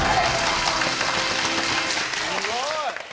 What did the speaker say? すごい！